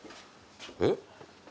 えっ？